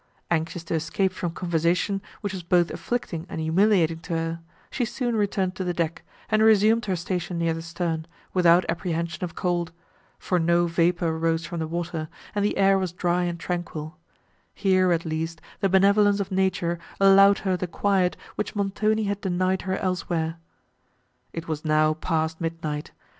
Anxious to escape from conversation, which was both afflicting and humiliating to her, she soon returned to the deck, and resumed her station near the stern, without apprehension of cold, for no vapour rose from the water, and the air was dry and tranquil; here, at least, the benevolence of nature allowed her the quiet which Montoni had denied her elsewhere. It was now past midnight.